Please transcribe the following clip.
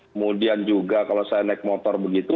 kemudian juga kalau saya naik motor begitu